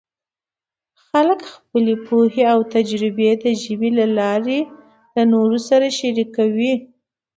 خلک خپلې پوهې او تجربې د ژبې له لارې نورو سره شریکوي.